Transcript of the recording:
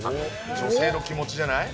女性の気持ちじゃない？